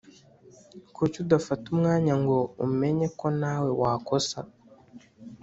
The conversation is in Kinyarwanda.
Kuki udafata umwanya ngo umenye ko nawe wakosa